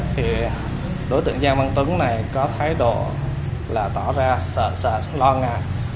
thì đối tượng giang văn tuấn này có thái độ là tỏ ra sợ lo ngại